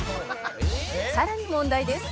「さらに問題です」